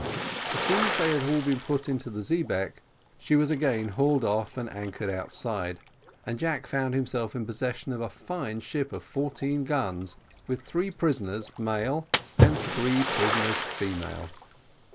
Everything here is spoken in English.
As soon as they had all been put into the xebeque, she was again hauled off and anchored outside, and Jack found himself in possession of a fine ship of fourteen guns, with three prisoners male and three prisoners female.